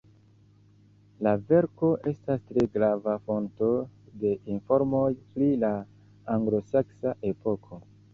La verko estas tre grava fonto de informoj pri la anglosaksa epoko.